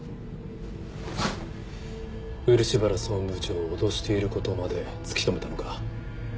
漆原総務部長を脅している事まで突き止めたのか？